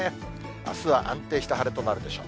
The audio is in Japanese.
あすは安定した晴れとなるでしょう。